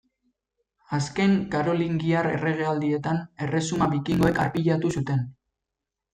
Azken karolingiar erregealdietan, erresuma bikingoek arpilatu zuten.